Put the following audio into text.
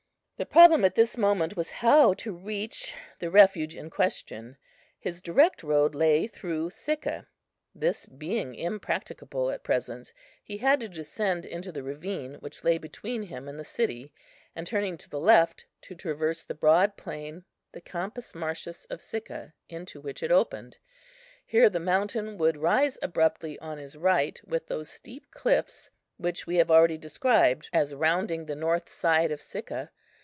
The problem at this moment was how to reach the refuge in question. His direct road lay through Sicca; this being impracticable at present, he had to descend into the ravine which lay between him and the city, and, turning to the left, to traverse the broad plain, the Campus Martius of Sicca, into which it opened. Here the mountain would rise abruptly on his right with those steep cliffs which we have already described as rounding the north side of Sicca.